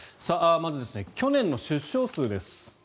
まず、去年の出生数です。